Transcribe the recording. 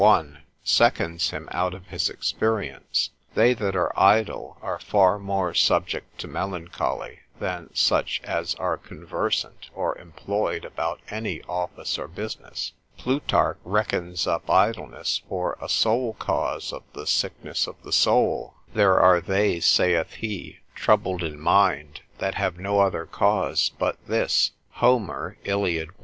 1, seconds him out of his experience, They that are idle are far more subject to melancholy than such as are conversant or employed about any office or business. Plutarch reckons up idleness for a sole cause of the sickness of the soul: There are they (saith he) troubled in mind, that have no other cause but this. Homer, Iliad.